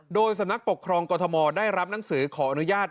โดยสำนักปกครองกรทมได้รับหนังสือขออนุญาต